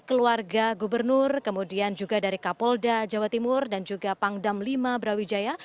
keluarga gubernur kemudian juga dari kapolda jawa timur dan juga pangdam lima brawijaya